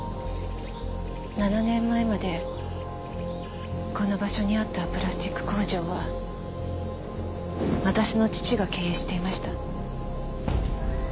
７年前までこの場所にあったプラスチック工場は私の父が経営していました。